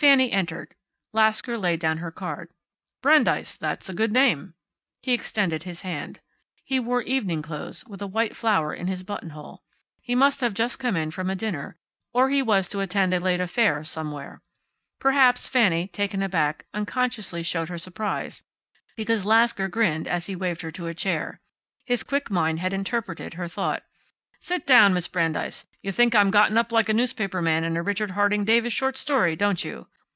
Fanny entered. Lasker laid down her card. "Brandeis. That's a good name." He extended his hand. He wore evening clothes, with a white flower in his buttonhole. He must have just come from a dinner, or he was to attend a late affair, somewhere. Perhaps Fanny, taken aback, unconsciously showed her surprise, because Lasker grinned, as he waved her to a chair. His quick mind had interpreted her thought. "Sit down, Miss Brandeis. You think I'm gotten up like the newspaper man in a Richard Harding Davis short story, don't you?